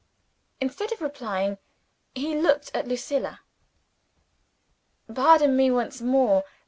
Instead of replying, he looked at Lucilla. "Pardon me, once more.